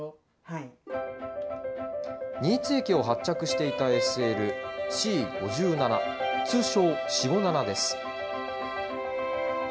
新津駅を発着していたＳＬ、Ｃ５７、通称シゴナナです。